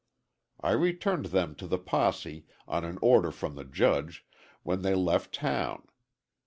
I returned them to the posse, on an order from the judge, when they left town.